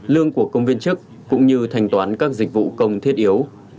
lương của công viên chức cũng như thanh toán các dịch vụ công thiết yếu